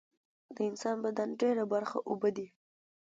د انسان بدن ډیره برخه اوبه دي